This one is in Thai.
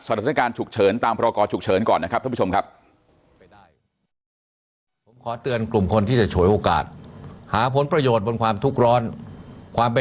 สถานการณ์ฉุกเฉินตามพรกรฉุกเฉินก่อนนะครับท่านผู้ชมครับ